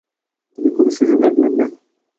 তুমি কোনো সুযোগই রাখলে না।